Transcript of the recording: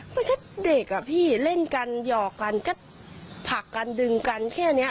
มันก็เด็กอ่ะพี่เล่นกันหยอกกันก็ผลักกันดึงกันแค่นี้